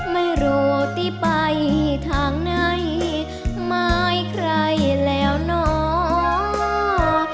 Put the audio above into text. ไม่รู้ที่ไปทางไหนไม่มีใครแล้วโนรา